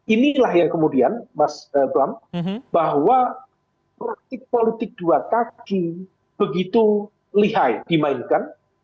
inilah yang kemudian mas bram bahwa praktik politik dua kaki begitu lihai dimainkan